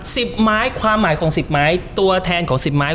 สิบไม้ความหมายของสิบไม้ตัวแทนของสิบไม้